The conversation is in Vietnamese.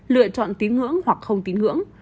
lựa chọn tín ngưỡng hoặc không tín ngưỡng